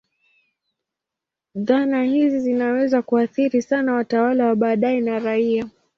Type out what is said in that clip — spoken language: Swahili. Dhana hizi zinaweza kuathiri sana watawala wa baadaye na raia.